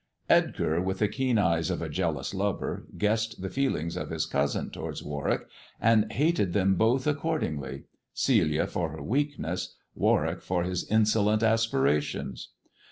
Edgar, with the keen eyes of a jealous lover, guessed the feelings of his cousin towards Warwick, and hated them both accordingly ; Celia for her weakness, Warwick for his insolent aspirations.